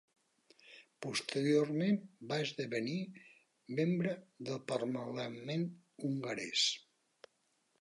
Posteriorment va esdevenir membre del parlament hongarès.